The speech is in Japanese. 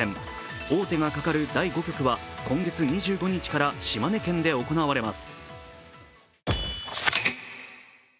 王手がかかる第５局は今月２５日から島根県で行われます。